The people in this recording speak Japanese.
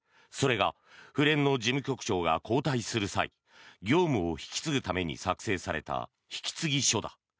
それが府連の事務局長が交代する際業務を引き継ぐために作成された引き継ぎ書だ。